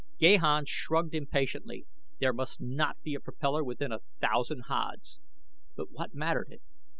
Gahan shrugged impatiently there must not be a propellor within a thousand haads. But what mattered it?